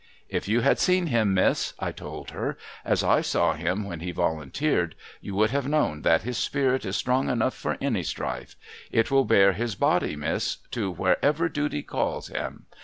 ' If you had seen him, miss,' I told her, ' as I saw him when he volunteered, you would have known that his spirit is strong enough for any strife. It will bear his body, miss, to wherever duty calls him.